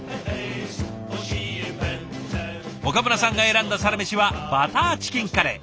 岡村さんが選んだサラメシはバターチキンカレー。